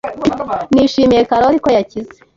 Nishimiye Karoli ko yakize .